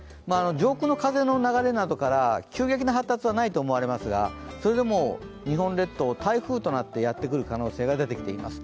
上空の風の流れなどから急激な発達はないと思われますがそれでも日本列島、台風となってやってくる可能性が出てきてます。